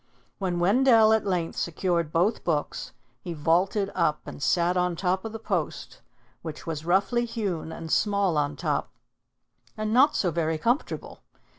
When Wendell at length secured both books, he vaulted up and sat on top of the post, which was roughly hewn and small on top and not so very comfortable.